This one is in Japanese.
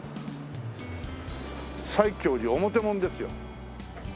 「西教寺表門」ですよ。